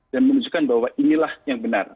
dan menunjukkan bahwa inilah yang benar